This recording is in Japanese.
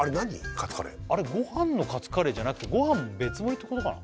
カツカレーあれごはんのカツカレーじゃなくてごはん別盛りってことかな